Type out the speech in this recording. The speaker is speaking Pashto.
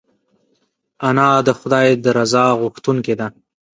انا د خدای د رضا غوښتونکې ده